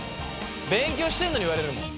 勉強してるのに言われるもん。